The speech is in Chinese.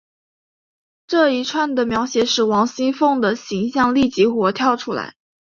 这一串的描写使王熙凤的形象立即活跳出来。